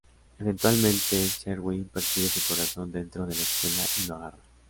Eventualmente, Sherwin persigue su corazón dentro de la escuela y lo agarra.